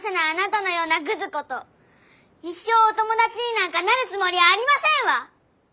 ようなグズ子と一生お友達になんかなるつもりありませんわ！